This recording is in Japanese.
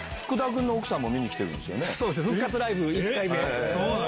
そうです復活ライブ１回目。